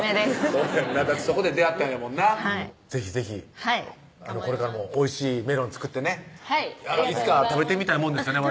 そうやんなだってそこで出会ったんやもんな是非是非これからもおいしいメロン作ってねはいいつか食べてみたいもんですよね